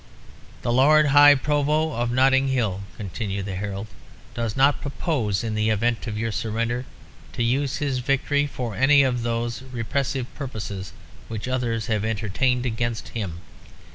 "The Lord High Provost of Notting Hill," continued the herald, "does not propose, in the event of your surrender, to use his victory for any of those repressive purposes which others have entertained against him.